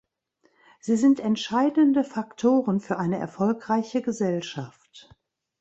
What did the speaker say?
Sie sind entscheidende Faktoren für eine erfolgreiche Gesellschaft.